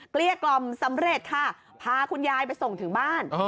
เกี้ยกล่อมสำเร็จค่ะพาคุณยายไปส่งถึงบ้าน